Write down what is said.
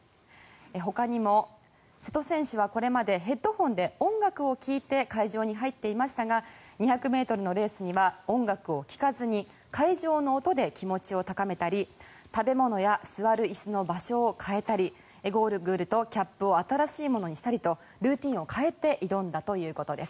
ほかにも瀬戸選手はこれまでヘッドホンで音楽を聴いて会場に入っていましたが２００ｍのレースには音楽を聴かずに会場の音で気持ちを高めたり食べ物や座る椅子の場所を変えたりゴーグルとキャップを新しいものにしたりとルーティンを変えて挑んだということです。